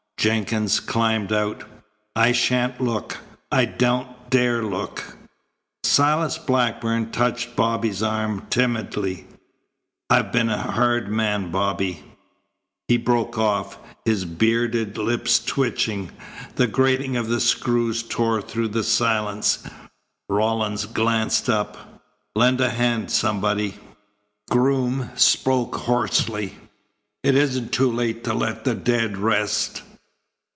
Jenkins climbed out. "I shan't look. I don't dare look." Silas Blackburn touched Bobby's arm timidly. "I've been a hard man, Bobby " He broke off, his bearded lips twitching. The grating of the screws tore through the silence. Rawlins glanced up. "Lend a hand, somebody." Groom spoke hoarsely: "It isn't too late to let the dead rest."